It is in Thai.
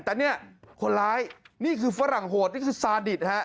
แต่เนี่ยคนร้ายนี่คือฝรั่งโหดนี่คือซาดิตฮะ